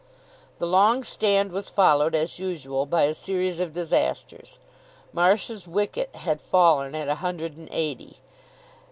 The long stand was followed, as usual, by a series of disasters. Marsh's wicket had fallen at a hundred and eighty.